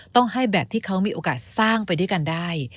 ต้องให้แบบที่เขามีโอกาสสร้างไปด้วยกันได้